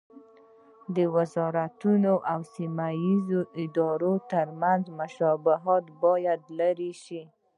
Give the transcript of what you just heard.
د وزارتونو او سیمه ییزو ادارو ترمنځ مشابهتونه باید لرې شي.